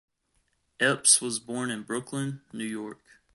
Epps was born in Brooklyn, New York.